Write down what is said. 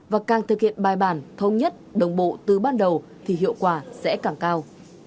và càng thực hiện bài bản thông nhất đồng bộ từ ban đầu thì hiệu quả sẽ càng cao